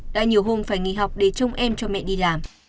đã nhiều hôm phải nghỉ học để trông em cho mẹ đi làm